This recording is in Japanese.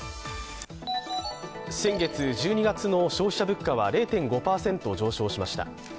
先月１２月の消費者物価は０．５％上昇しました。